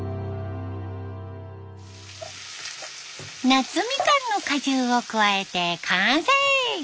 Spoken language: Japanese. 夏みかんの果汁を加えて完成。